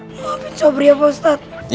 maafin sobri ya pak ustadz